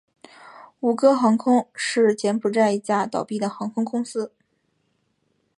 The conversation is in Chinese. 吴哥航空是柬埔寨一家倒闭的航空公司。